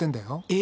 え？